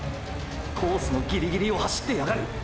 コースのギリギリを走ってやがる！！